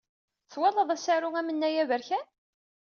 Twalaḍ asaru n Amnay Aberkan?